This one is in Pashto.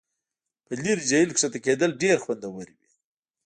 په لرې جهیل کښته کیدل ډیر خوندور وي